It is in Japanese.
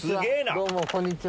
どうもこんにちは。